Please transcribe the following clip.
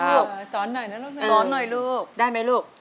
อ่าสอนหน่อยนะลูกนี้ลูกสอนหน่อยลูกได้มั้ยลูก